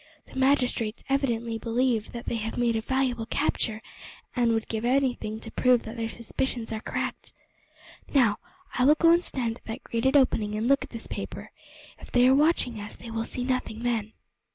The magistrates evidently believe that they have made a valuable capture, and would give anything to prove that their suspicions are correct. Now, I will go and stand at that grated opening and look at this paper, if they are watching us they will see nothing then."